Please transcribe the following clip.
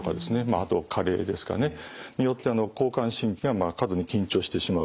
あとは加齢ですかねによって交感神経が過度に緊張してしまう。